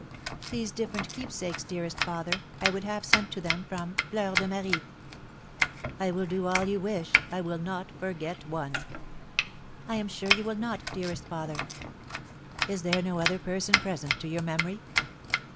These different keepsakes, dearest father, I would have sent to them 'from Fleur de Marie.'" "I will do all you wish, I will not forget one." "I am sure you will not, dearest father." "Is there no other person present to your memory?"